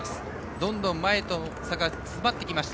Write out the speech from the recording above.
どんどん前との差が詰まってきました。